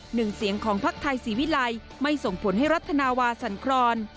หนึ่งเสียงของภักดิ์ไทยศรีวิลัยไม่ส่งผลให้รัฐนาวาสันครอน